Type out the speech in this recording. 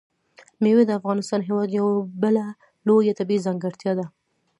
مېوې د افغانستان هېواد یوه بله لویه طبیعي ځانګړتیا ده.